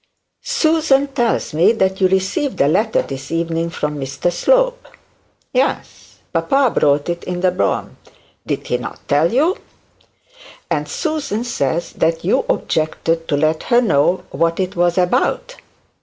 'Susan tells me that you received a letter this evening from Mr Slope.' 'Yes; papa brought it in the brougham. Did he not tell you?' 'And Susan says that you objected to let her know what it was about.'